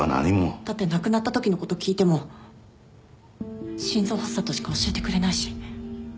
だって亡くなったときのこと聞いても心臓発作としか教えてくれないし。